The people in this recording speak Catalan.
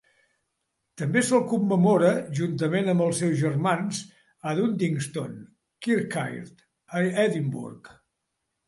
També se'l commemora, juntament amb els seus germans, a Duddingston Kirkyard, a Edimburg.